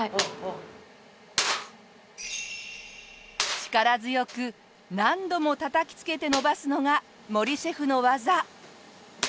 力強く何度もたたきつけて伸ばすのが森シェフの技。